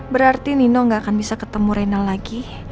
berarti nino gak akan bisa ketemu reina lagi